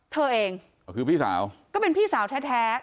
เธอเองก็คือพี่สาวก็เป็นพี่สาวแท้